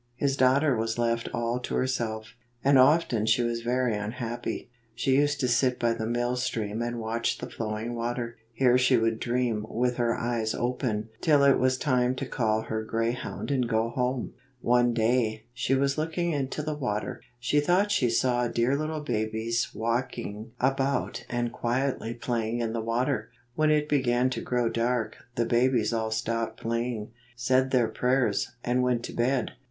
His daughter was left all to herself, and often she was very unhappy. She used to sit by the mill stream and watch the flowing water. Here she would dream with her eyes open till it was time to call her grey hound and go home. One day, as she was looking into the water, she thought she saw dear little babies walking 17 about and quietly playing in the water. When it began to grow dark, the babies all stopped playing, said their prayers, and went to bed.